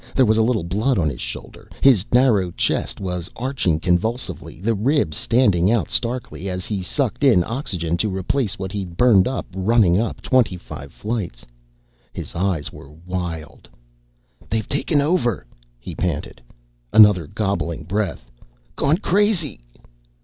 There was a little blood on his shoulder. His narrow chest was arching convulsively, the ribs standing out starkly, as he sucked in oxygen to replace what he'd burned up running up twenty flights. His eyes were wild. "They've taken over," he panted. Another gobbling breath. "Gone crazy."